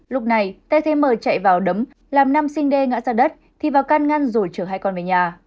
lúc này tê thêm mờ chạy vào đấm làm nam sinh đê ngã ra đất thì vào căn ngăn rồi chở hai con về nhà